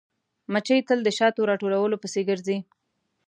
مچمچۍ تل د شاتو راټولولو پسې ګرځي